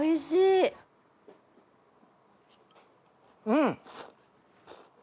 うん！